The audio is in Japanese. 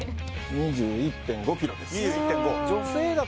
２１．５キロです